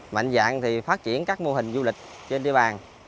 mạnh dạng thì phát triển các mô hình du lịch trên địa bàn